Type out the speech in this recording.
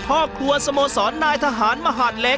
กรอบข้างนอกแต่ข้างในยังชุดสี่อยู่เลย